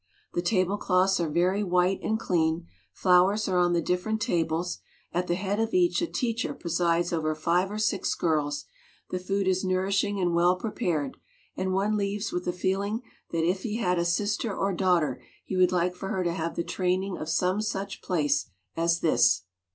The tablecloths are very white and clean ; flowers are on the different tables; at the head of each a teacher presides over five or six girls ; the food is nourishing and well prepared; and one leaves with the feeling that if he had a sister or daughter he would like for her to have the training of some such place as this.